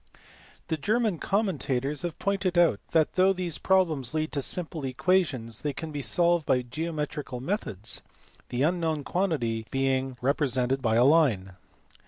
The German commentators have pointed out that though these problems lead to simple equations, they can be solved by geometrical methods, the unknown quantity being repre 104 THE SECOND ALEXANDRIAN SCHOOL. sented by a line.